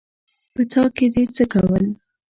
_په څاه کې دې څه کول؟